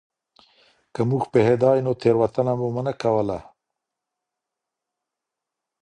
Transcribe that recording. که موږ پوهیدای نو تېروتنه به مو نه کوله.